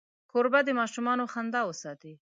کوربه د ماشومانو خندا وساتي.